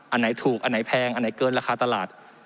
อันไหนถูกอันไหนแพงอันไหนเกินราคาตลาด